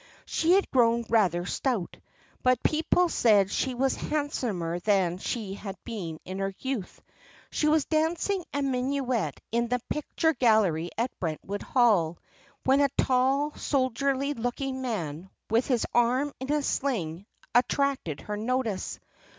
She had grown rather stout, but people said she was handsomer than she had been in her youth. She was dancing a minuet in the picture gallery at Brentwood Hall, when a tall, soldierly looking man, with his arm in a sling, attracted her notice.